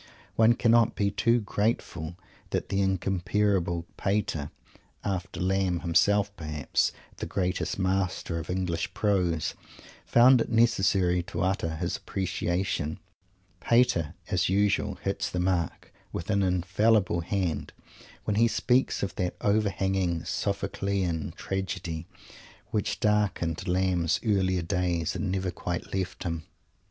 One cannot be too grateful that the incomparable Pater, after Lamb himself, perhaps, the greatest master of English prose, found it necessary to utter his appreciation. Pater, as usual, hits the mark with an infallible hand when he speaks of that overhanging Sophoclean tragedy which darkened Lamb's earlier days and never quite left him.